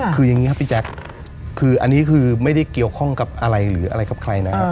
คืออย่างนี้ครับพี่แจ๊คคืออันนี้คือไม่ได้เกี่ยวข้องกับอะไรหรืออะไรกับใครนะครับ